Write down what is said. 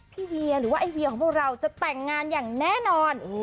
เวียหรือว่าไอเวียของพวกเราจะแต่งงานอย่างแน่นอน